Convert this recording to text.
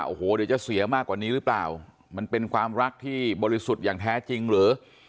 โอ้โหเดี๋ยวจะเสียมากกว่านี้หรือเปล่ามันเป็นความรักที่บริสุทธิ์อย่างแท้จริงหรือ